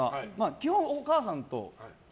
基本、お母さんと。